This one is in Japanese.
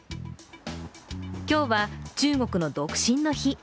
今日は中国の独身の日。